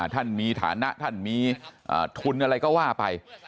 ท่านมีฐานะท่านมีทุนอะไรก็ว่าไป